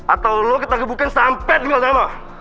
atau lo kita gebukin sampai dengan lama